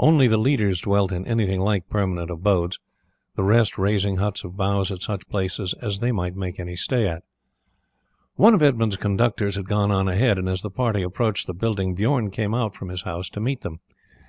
Only the leaders dwelt in anything like permanent abodes, the rest raising huts of boughs at such places as they might make any stay at. One of Edmund's conductors had gone on ahead, and as the party approached the building Bijorn came out from his house to meet them.